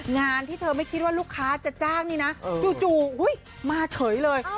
งานที่เธอไม่คิดว่าลูกค้าจะจ้างนี่นะจู่มาเฉยเลย